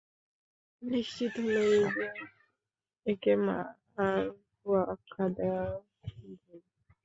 নিশ্চিত হলো এই যে, একে মারফু আখ্যা দেয়া ভুল।